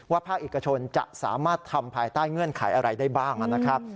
ภาคเอกชนจะสามารถทำภายใต้เงื่อนไขอะไรได้บ้างนะครับ